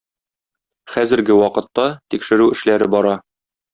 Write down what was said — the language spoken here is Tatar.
Хәзерге вакытта тикшерү эшләре бара.